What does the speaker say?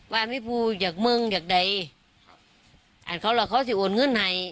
ว่าไม่พูดอยากเมิงอยากใดอ่าเขาหลอกเขาสิโอนเงินให้